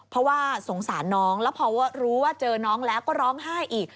เพราะว่าสงสารน้องแล้วพอรู้ว่าเจอน้องแล้วก็ร้องไห้อีก